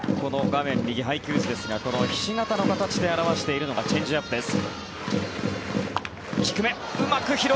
画面右、配球図ですがひし形の形で表しているのがチェンジアップです。